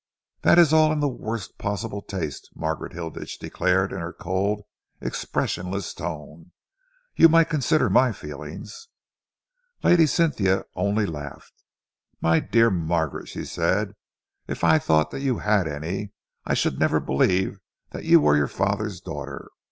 "This is all in the worst possible taste," Margaret Hilditch declared, in her cold, expressionless tone. "You might consider my feelings." Lady Cynthia only laughed. "My dear Margaret," she said, "if I thought that you had any, I should never believe that you were your father's daughter.